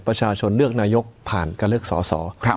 ประชาชนเลือกนายกผ่านการเลือกสอสอ